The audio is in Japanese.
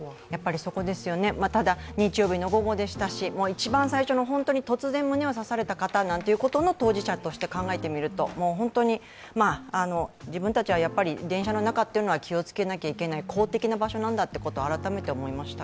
そこですよね、ただ日曜日の午後でしたし一番最初の、本当に突然胸を刺された方なんていう当事者として考えてみると自分たちは電車の中というのは気をつけなければいけない公的な場所なんだと改めて思いました。